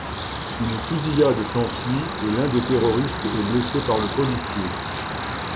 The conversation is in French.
Une fusillade s'en suit et l'un des terroristes est blessé par le policier.